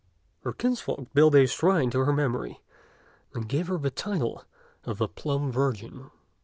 Her kinsfolk built a shrine to her memory, and gave her the title of the Plum Virgin.